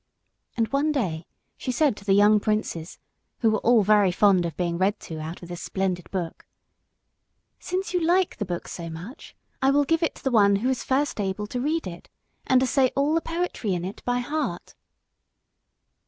And one day she said to the young princes, who were all very fond of being read to out of this splendid book "Since you like the book so much, I will give it to the one who is first able to read it, and to say all the poetry in it by heart."